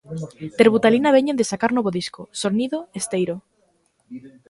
Terbutalina veñen de sacar novo disco, "Sonido Esteiro".